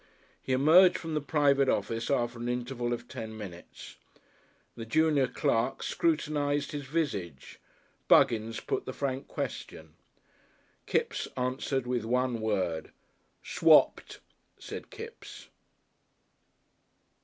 He emerged from the private office after an interval of ten minutes. The junior clerk scrutinised his visage. Buggins put the frank question. Kipps answered with one word. "Swapped!" said Kipps.